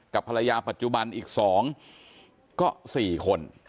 กับภรรยาปัจจุบันอีก๒ก็๔คน